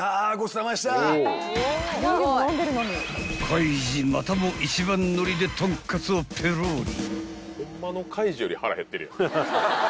［カイジまたも一番乗りでとんかつをペロリ］